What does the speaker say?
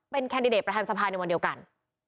แคนดิเดตประธานสภาในวันเดียวกัน